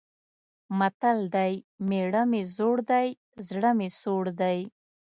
متل دی: مېړه مې زوړ دی، زړه مې سوړ دی.